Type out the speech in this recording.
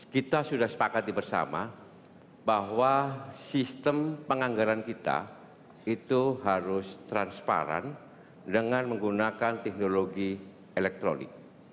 kita sudah sepakati bersama bahwa sistem penganggaran kita itu harus transparan dengan menggunakan teknologi elektronik